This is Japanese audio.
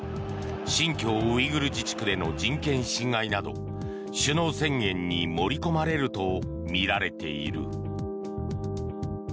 新疆ウイグル自治区での人権侵害など首脳宣言に盛り込まれるとみられている。